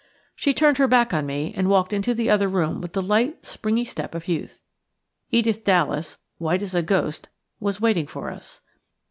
She turned her back on me and walked into the other room with the light, springy step of youth. Edith Dallas white as a ghost, was waiting for us.